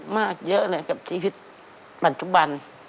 มากเยอะเลยกับชีวิตปัจจุบัน